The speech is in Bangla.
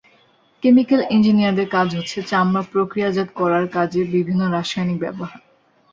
কেমিক্যাল ইঞ্জিনিয়ারদের কাজ হচ্ছে চামড়া প্রক্রিয়াজাত করার কাজে বিভিন্ন রাসায়নিক ব্যবহার।